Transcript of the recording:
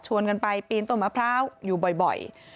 กันไปปีนต้นมะพร้าวอยู่บ่อย